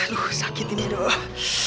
aduh sakit ini dok